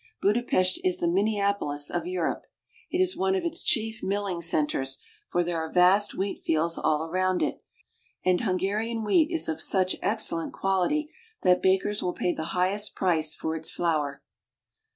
Budapest is the Minneapolis of Europe. It is one of its chief milling centers, for there are vast wheat fields all about it, and Hungarian wheat is of such excellent quality that bakers will pay the highest prices for its flour.